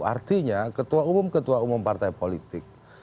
artinya ketua umum ketua umum partai politik